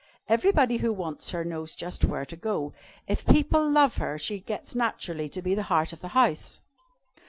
Everybody who wants her knows just where to go. If people love her, she gets naturally to be the heart of the house.